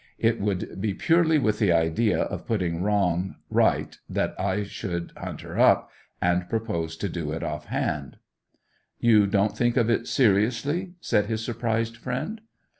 It would be purely with the idea of putting wrong right that I should hunt her up, and propose to do it off hand.' 'You don't think of it seriously?' said his surprised friend.